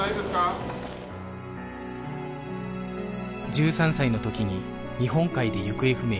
１３歳のときに日本海で行方不明に